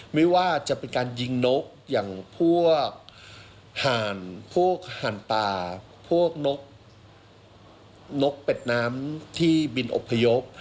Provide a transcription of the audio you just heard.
ไม่ว่าจะเป็นการยิงนกอย่างพวกห่านพวกห่านป่าพวกนกเป็ดน้ำที่บินอบพยพ